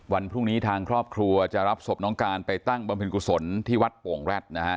วันพรุ่งนี้ทางครอบครัวจะรับศพน้องการไปตั้งบำเพ็ญกุศลที่วัดโป่งแร็ดนะฮะ